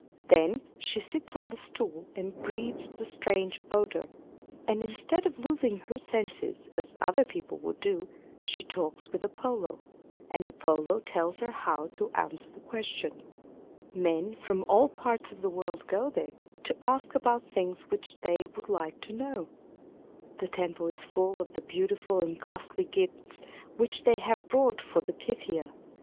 Then she sits on the stool and breathes the strange odor; and instead of losing her senses as other people would do, she talks with Apollo; and Apollo tells her how to answer the question. Men from all parts of the world go there to ask about things which they would like to know. The temple is full of the beautiful and costly gifts which they have brought for the Pythia.